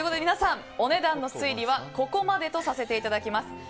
皆さん、お値段の推理はここまでとさせていただきます。